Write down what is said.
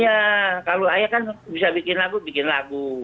iya kalau ayah kan bisa bikin lagu bikin lagu